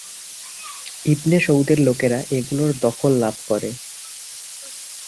ইবনে সৌদের লোকেরা এগুলোর দখল লাভ করে।